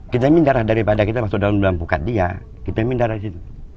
kita mindarah daripada kita masuk dalam buka dia kita mindarah di situ